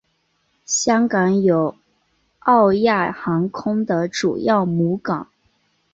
香港有欧亚航空的主要母港。